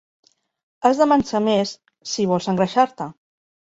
Has de menjar més, si vols engreixar-te.